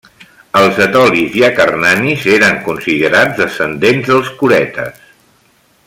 Els etolis i acarnanis eren considerats descendents dels curetes.